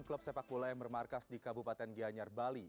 klub sepak bola yang bermarkas di kabupaten gianyar bali